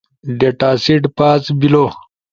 ڈیٹا سیٹ پاس بیلو